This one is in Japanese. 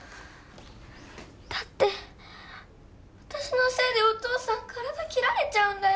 だって私のせいでお父さん体切られちゃうんだよ？